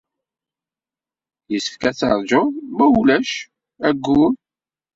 Yessefk ad teṛjuḍ, ma ulac, ayyur.